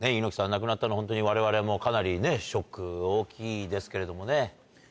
亡くなったのホントにわれわれもかなりねショック大きいですけれどもね。